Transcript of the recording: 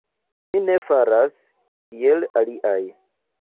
Mi ne faras, kiel aliaj.